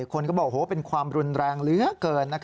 คนก็บอกเป็นความรุนแรงเหลือเกิน